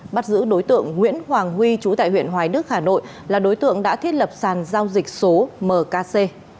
bắt giữ đối tượng nguyễn hoàng huy trú tại huyện hoài đức hà nội là đối tượng đã thiết lập sàn giao dịch số mkc